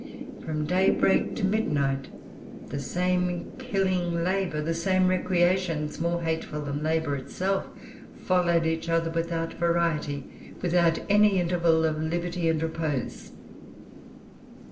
From daybreak to midnight the same killing labor, the same recreations, more hateful than labor itself, followed each other without variety, without any interval of liberty and repose.